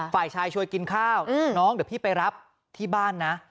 ฝ่ายชายช่วยกินข้าวน้องเดี๋ยวพี่ไปรับที่บ้านนะ